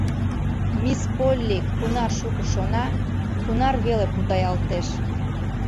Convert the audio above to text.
Мисс Полли кунар шуко шона, тунар веле путаялтеш.